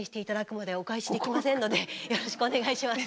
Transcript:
よろしくお願いします。